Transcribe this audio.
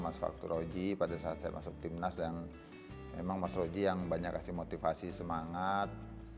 mas waktu rozi pada saat saya masuk timnas dan memang mas rozi yang banyak kasih motivasi semangat